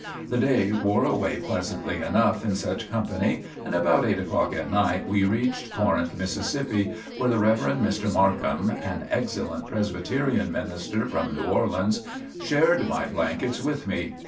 The day wore away pleasantly enough in such company and about 8 o'clock at night we reached Corinth, Mississippi, where the Rev. Mr. Markham, an excellent Presbyterian minister from New Orleans, shared my blankets with me.